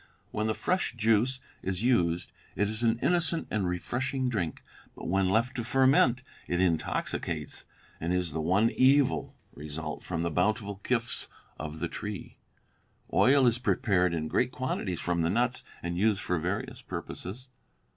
When the fresh juice is used, it is an innocent and refreshing drink; but when left to ferment, it intoxicates, and is the one evil result from the bountiful gifts of the tree. Oil is prepared in great quantities from the nuts and used for various purposes."